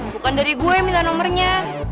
bukan dari gue yang minta nomornya